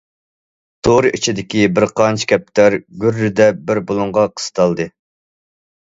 تور ئىچىدىكى بىر قانچە كەپتەر گۈررىدە بىر بۇلۇڭغا قىستالدى.